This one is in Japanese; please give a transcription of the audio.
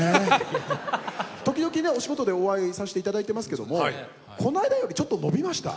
時々ねお仕事でお会いさせていただいてますけどもこの間よりちょっと伸びました？